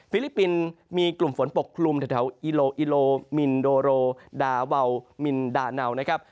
ฟิลิปปินจะมีกลุ่มฝนพกกลุ่มทั้งเท่าอิโรนีโลมิธโดโรดาววนะครับ